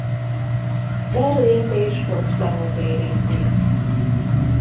Berlint és Potsdamot érinti.